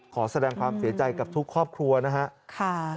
ขอแสดงความเสียใจกับทุกครอบครัวนะครับ